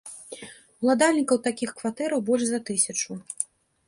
Уладальнікаў такіх кватэраў больш за тысячу.